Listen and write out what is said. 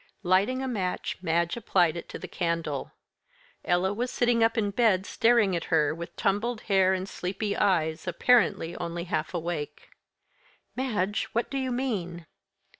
Lighting a match, Madge applied it to the candle. Ella was sitting up in bed, staring at her, with tumbled hair and sleepy eyes, apparently only half awake. "Madge! what do you mean?"